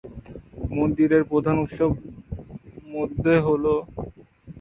মন্দিরের প্রধান উৎসব মধ্যে হলোঃ